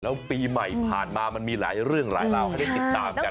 แล้วปีใหม่ผ่านมามันมีหลายเรื่องหลายราวให้ได้ติดตามกัน